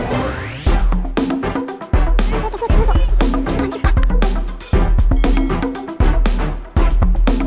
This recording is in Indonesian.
tunggu tunggu tunggu